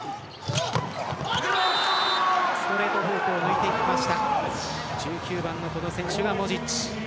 ストレート方向に打ちました１９番のこの選手がモジッチ。